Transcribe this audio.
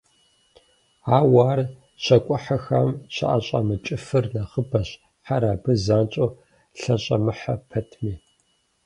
Ауэ ар щакIуэхьэхэм щаIэщIэмыкIыфыр нэхъыбэщ, хьэр абы занщIэу лъэщIэмыхьэ пэтми.